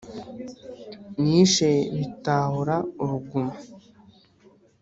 nishe Bitahura uruguma